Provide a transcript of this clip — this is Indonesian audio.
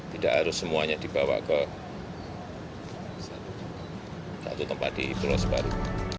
tidak harus semuanya dibawa ke satu tempat di pulau sebaru